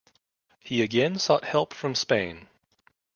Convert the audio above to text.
He again sought help from Spain.